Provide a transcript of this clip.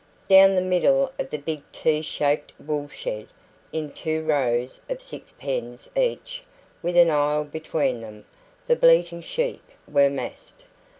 Down the middle of the big T shaped wool shed, in two rows of six pens each, with an aisle between them, the bleating sheep were massed.